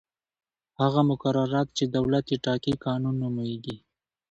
هغه مقررات چې دولت یې ټاکي قانون نومیږي.